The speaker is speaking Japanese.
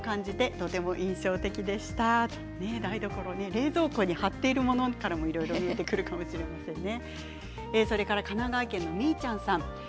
冷蔵庫に貼っているものからもいろいろ見えてくるかもしれませんね。